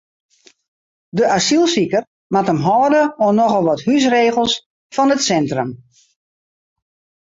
De asylsiker moat him hâlde oan nochal wat húsregels fan it sintrum.